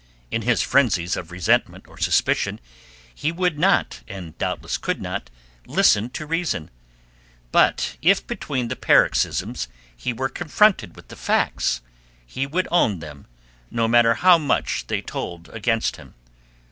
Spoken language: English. In his frenzies of resentment or suspicion he would not, and doubtless could not, listen to reason. But if between the paroxysms he were confronted with the facts he would own them, no matter how much they told against him.